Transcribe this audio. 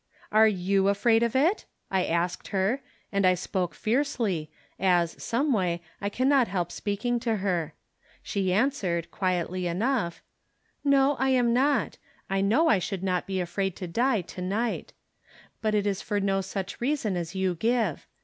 " Are you afraid of it ?" I asked her, and I spoke fiercely, as, someway, I can not help speak ing to her. She answered, quietl}^ enough :" No, I am not. I know I should not be afraid to die to night. But it is for no such reason as you give.